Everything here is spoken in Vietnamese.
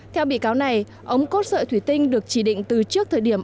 theo bị cáo này ống cốt sợi thủy tinh được chỉ định từ trước thời điểm